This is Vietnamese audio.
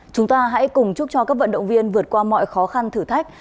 chúng ta hãy cùng chúc cho các vận động viên vượt qua mọi khó khăn thử thách